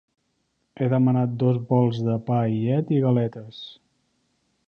He demanat dos bols de pa i llet i galetes.